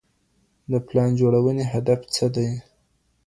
د پلان جوړوني هدف څه دی؟